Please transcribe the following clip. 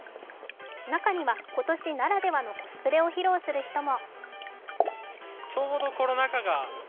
中には今年ならではのコスプレを披露する人も。